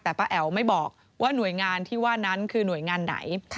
แต่ป้าแอ๋วไม่บอกว่าหน่วยงานที่ว่านั้นคือหน่วยงานไหน